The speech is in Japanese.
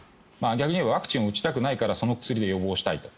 逆に言えばワクチンを打ちたくないからその薬で予防したいと。